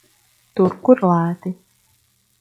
Tur, kur lēti.